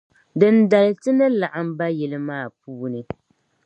Dindali tini laɣim ba yili maa puuni.